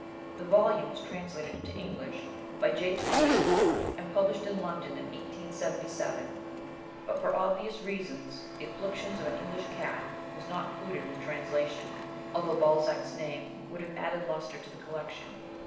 The volume was translated into English by J. Thompson and published in London in 1877, but for obvious reasons The Afflictions of an English Cat was not included in the translation, although Balzac's name would have added lustre to the collection.